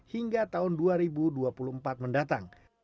hingga tahun dua ribu dua puluh empat mendatang